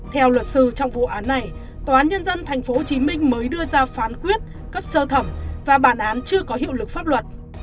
theo luật sư trong vụ án này tnthcm mới đưa ra phán quyết cấp sơ thẩm và bản án chưa có hiệu lực pháp luật